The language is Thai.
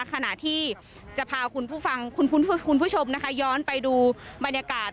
ขณะที่จะพาคุณผู้ชมนะคะย้อนไปดูบรรยากาศ